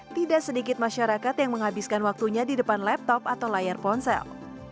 tidak sedikit masyarakat yang menghabiskan waktunya di depan laptop atau layar ponsel